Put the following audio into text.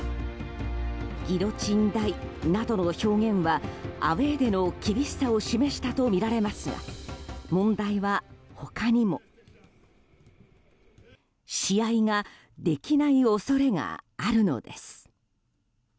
ギロチン台などの表現はアウェーでの厳しさを示したとみられますが問題は他にも。試合ができない恐れがあるのです。